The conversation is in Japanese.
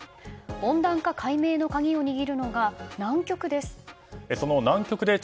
温暖化解明の鍵を握るのが南極です。